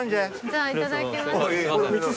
じゃあいただきます。